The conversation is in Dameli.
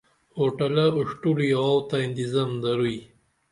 اوٹلہ اُڜٹولی آوتہ اِنتظم دروئی؟